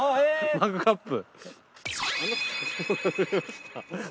マグカップ。